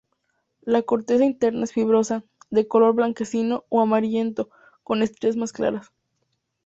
La corteza interna es fibrosa, de color blanquecino a amarillento, con estrías más claras.